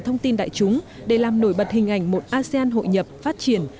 thông tin đại chúng để làm nổi bật hình ảnh một asean hội nhập phát triển